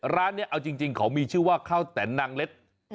ร้านนี้เอาจริงเขามีชื่อว่าข้าวแต่นนางเล็ด